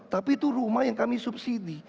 tapi itu rumah yang kami subsidi